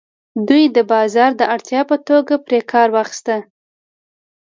دوی د بازار د اړتیا په توګه پرې کار واخیست.